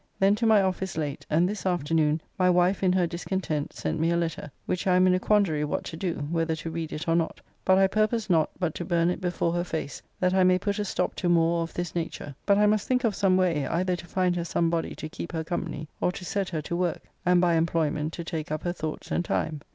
Then to my office late, and this afternoon my wife in her discontent sent me a letter, which I am in a quandary what to do, whether to read it or not, but I purpose not, but to burn it before her face, that I may put a stop to more of this nature. But I must think of some way, either to find her some body to keep her company, or to set her to work, and by employment to take up her thoughts and time.